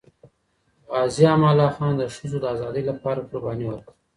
غازي امان الله خان د ښځو د ازادۍ لپاره قرباني ورکړه.